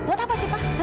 buat apa sih pa